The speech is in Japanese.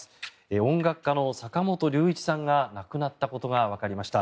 音楽家の坂本龍一さんが亡くなったことがわかりました。